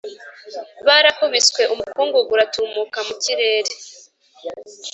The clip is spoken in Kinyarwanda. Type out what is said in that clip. barakubiswe umukungugu uratumuka mu kirere